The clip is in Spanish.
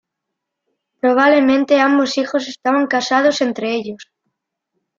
Probablemente ambos hijos estaban casados entre ellos.